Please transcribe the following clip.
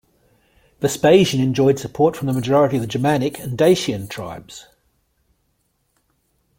Vespasian enjoyed support from the majority of the Germanic and Dacian tribes.